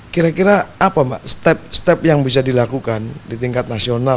kira kira apa mbak step step yang bisa dilakukan di tingkat nasional